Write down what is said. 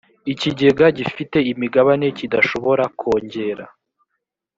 ikigega gifite imigabane kidashobora kongera